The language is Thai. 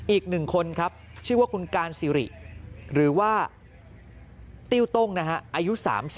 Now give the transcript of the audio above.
อีก๑คนครับชื่อว่าคุณการสิริหรือว่าติ้วต้งอายุ๓๐